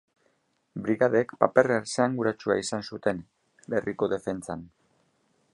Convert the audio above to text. Brigadek paper esanguratsua izan zuten herriko defentsan.